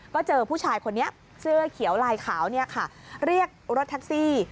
ก็เจอผู้ชายคนนี้เสื้อเขียวลายขาวเนี่ยค่ะเรียกรถแท็กซี่